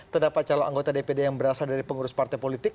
terdapat calon anggota dpd yang berasal dari pengurus partai politik